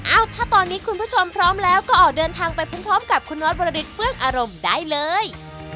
ถ้าตอนนี้คุณผู้ชมพร้อมแล้วก็ออกเดินทางไปพร้อมกับคุณนอสวริษฐเฟื่องอารมณ์ได้เลย